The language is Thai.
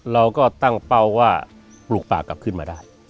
เราก็ตั้งเป้าว่าปลูกป่ากลับขึ้นมาได้